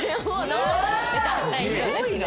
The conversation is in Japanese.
すごいな！